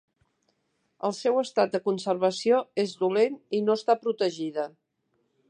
El seu estat de conservació és dolent i no està protegida.